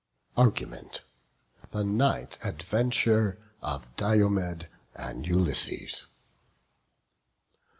ARGUMENT. THE NIGHT ADVENTURE OF DIOMED AND ULYSSES.